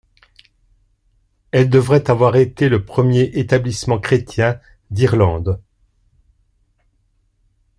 Elle devrait avoir été le premier établissement chrétien d’Irlande.